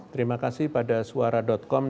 terima kasih pada suara com